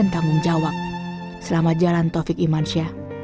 taufik iman syah